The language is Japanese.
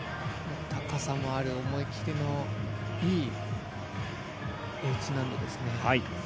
高さのある思い切りのいいＨ難度ですね。